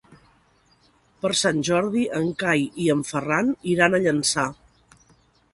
Per Sant Jordi en Cai i en Ferran iran a Llançà.